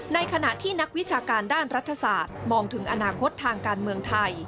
ในขณะที่นักวิชาการด้านรัฐศาสตร์มองถึงอนาคตทางการเมืองไทย